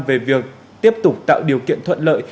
về việc tiếp tục tạo điều kiện thuận lợi